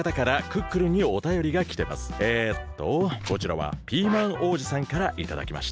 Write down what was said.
えっとこちらはピーマン王子さんからいただきました。